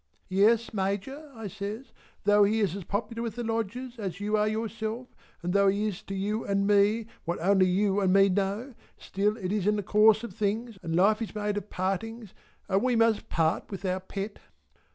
"Yes Major" I says, "though he is as popular with the Lodgers as you are yourself and though he is to you and me what only you and me know, still it is in the course of things and Life is made of partings and we must part with our Pet."